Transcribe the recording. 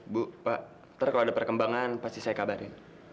bu pak nanti kalau ada perkembangan pasti saya kabarin